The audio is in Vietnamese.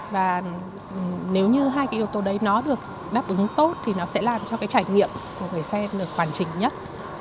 và nếu như hai cái yếu tố đấy nó được đáp ứng tốt thì nó sẽ làm cho cái trải nghiệm của người xem được hoàn chỉnh nhất